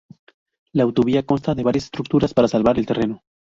La autovía consta de varias estructuras para salvar el terreno.